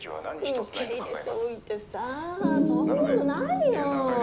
受け入れておいてさそんなのないよ。